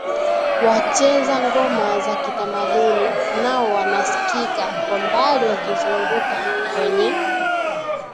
Wacheza ngoma za kitamaduni nao wanaskika kwa mbali wakizunguka kwenye